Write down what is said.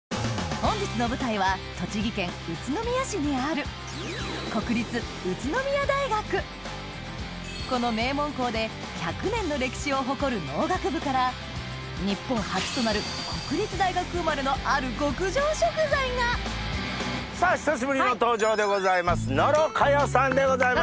本日の舞台は栃木県宇都宮市にあるこの名門校で１００年の歴史を誇る農学部からさぁ久しぶりの登場でございます野呂佳代さんでございます。